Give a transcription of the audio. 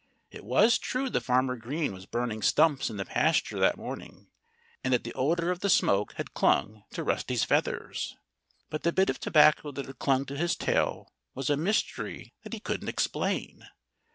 It was true that Farmer Green was burning stumps in the pasture that morning, and that the odor of the smoke had clung to Rusty's feathers. But the bit of tobacco that had clung to his tail was a mystery that he couldn't explain.